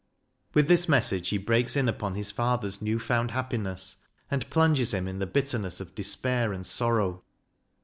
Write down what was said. With this message he breaks in upon his father's new found happiness, and plunges him in the bitter ness of despair and sorrow.